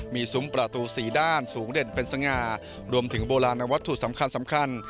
มีสุมประตูสี่ด้านสูงเด่นเป็นสง่ารวมถึงโบราณวัตถุสำคัญ